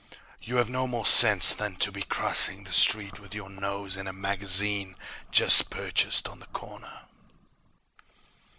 You have no more sense than to be crossing the street with your nose in a magazine just purchased on the corner."